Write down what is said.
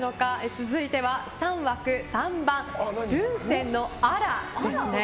続いては３枠３番ブンセンのアラ！です。